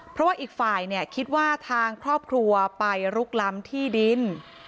เพราะว่าอีกฝ่ายคิดว่าทางครอบครัวไปลุกล้ำที่ดิน